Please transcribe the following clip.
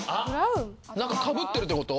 なんかかぶってるってこと？